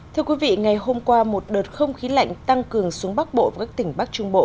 thưa quý vị ngày hôm qua một đợt không khí lạnh tăng cường xuống bắc bộ và các tỉnh bắc trung bộ